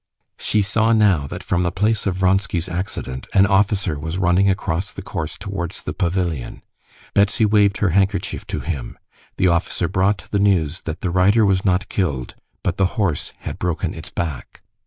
She saw now that from the place of Vronsky's accident an officer was running across the course towards the pavilion. Betsy waved her handkerchief to him. The officer brought the news that the rider was not killed, but the horse had broken its back.